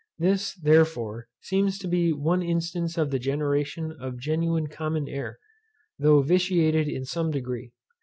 This, therefore, seems to be one instance of the generation of genuine common air, though vitiated in some degree.